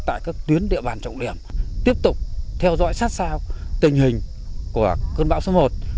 tại các tuyến địa bàn trọng điểm tiếp tục theo dõi sát sao tình hình của cơn bão số một